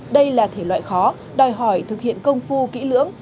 đây là thể loại khó đòi hỏi thực hiện công phu kỹ lưỡng